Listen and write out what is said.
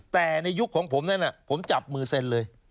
แต่ในยุคของผมนั้นผมจับมือเซ็นเลย